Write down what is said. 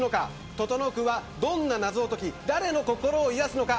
整君はどんな謎を解き誰の心を癒すのか。